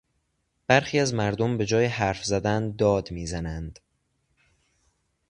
برخی از مردم به جای حرف زدن داد میزنند.